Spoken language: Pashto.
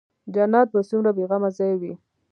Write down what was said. جنت به څومره بې غمه ځاى وي.